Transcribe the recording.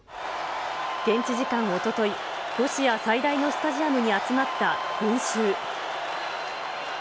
現地時間おととい、ロシア最大のスタジアムに集まった群衆。